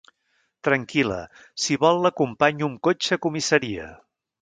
Tranquil·la, si vol l'acompanyo amb cotxe a comissaria.